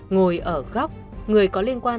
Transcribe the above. ngồi ở góc người có liên quan